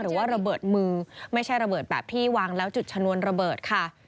หรือว่าระเบิดมือไม่ใช่ระเบิดแบบที่วางแล้วจุดชนวนระเบิดค่ะ